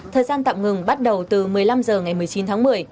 thời gian tạm ngừng bắt đầu từ một mươi năm h ngày một mươi chín tháng một mươi